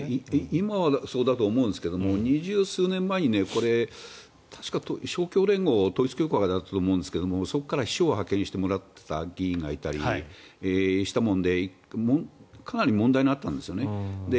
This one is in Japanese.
今はそうだと思うんですが２０数年前にこれ、確か勝共連合統一教会だったと思うんですがそこから秘書を派遣してもらっていた議員がいたりしたもんでかなり問題があったんです。